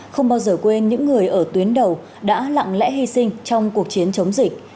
không bao giờ quên những người ở tuyến đầu đã lặng lẽ hy sinh trong cuộc chiến chống dịch